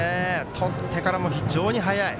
とってからも非常に速い。